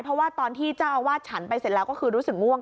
เพราะว่าตอนที่เจ้าอาวาสฉันไปเสร็จแล้วก็คือรู้สึกง่วง